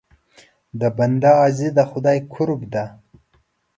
د بنده عاجزي د خدای قرب ده.